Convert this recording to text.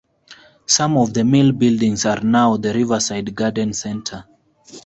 Some of the mill buildings are now the Riverside Garden Centre.